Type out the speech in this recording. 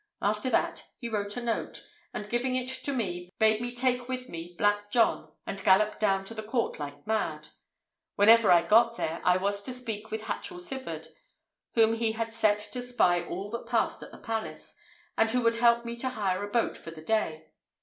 After that, he wrote a note, and giving it to me, bade me take with me Black John, and gallop down to the court like mad. Whenever we got there, I was to speak with Hatchel Sivard, whom he had set to spy all that passed at the palace, and who would help me to hire a boat for the day.